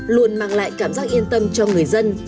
luôn mang lại cảm giác yên tâm cho người dân